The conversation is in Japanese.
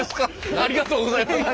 ありがとうございます。